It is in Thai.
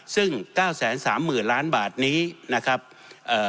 ซึ่งเก้าแสนสามหมื่นล้านบาทนี้นะครับเอ่อ